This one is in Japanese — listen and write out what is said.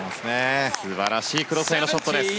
素晴らしいクロスへのショットです。